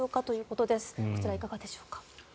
こちら、いかがでしょうか。